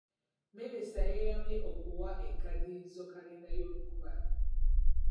Minisita yeeyamye okuwa ekkaddiyizo kalenda y'Olugubala.